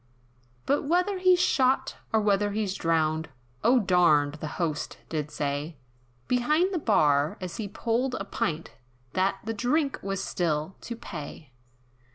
But whether he's shot, or whether he's drowned, Or darned, the Host did say, Behind the bar, as he pulled a pint, That "the drink was still to pay!"